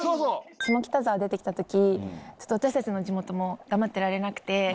下北沢出てきた時私たちの地元も黙ってられなくて。